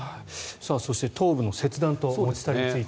そして、頭部の切断と持ち去りについて。